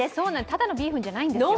ただのビーフンじゃないんですよ。